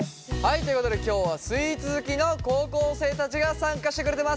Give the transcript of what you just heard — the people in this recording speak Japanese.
ということで今日はスイーツ好きの高校生たちが参加してくれてます。